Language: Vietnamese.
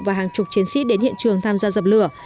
và hàng chục chiến sĩ đến hiện trường tham gia dập lửa